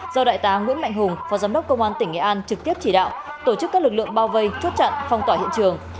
do đại tá nguyễn mạnh hùng phó giám đốc công an tỉnh nghệ an trực tiếp chỉ đạo tổ chức các lực lượng bao vây chốt chặn phong tỏa hiện trường